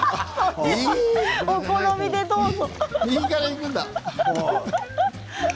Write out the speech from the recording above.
お好みでどうぞ。